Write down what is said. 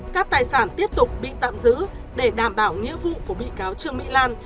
các tài sản tiếp tục bị tạm giữ để đảm bảo nghĩa vụ của bị cáo trương mỹ lan